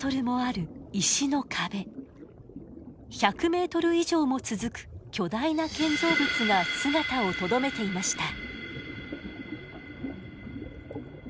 １００メートル以上も続く巨大な建造物が姿をとどめていました。